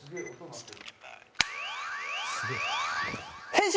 変身！